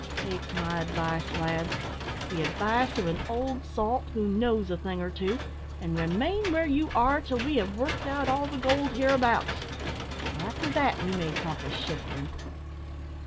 Take my advice, lads the advice of an old salt, who knows a thing or two and remain where you are till we have worked out all the gold hereabouts. After that you may talk of shifting."